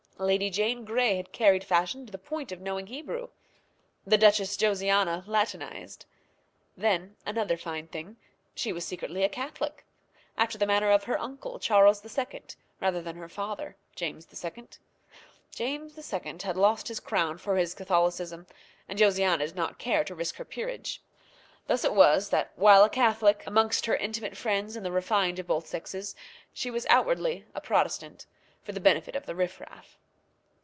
Lady Jane Grey had carried fashion to the point of knowing Hebrew. The Duchess Josiana Latinized. Then (another fine thing) she was secretly a Catholic; after the manner of her uncle, Charles II., rather than her father, James II. James II. had lost his crown for his Catholicism, and Josiana did not care to risk her peerage. Thus it was that while a Catholic amongst her intimate friends and the refined of both sexes, she was outwardly a Protestant for the benefit of the riffraff.